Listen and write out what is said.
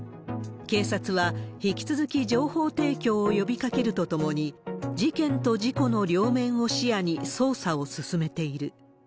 警察は、引き続き情報提供を呼びかけるとともに、事件と事故の両面を視野に捜査を進めている。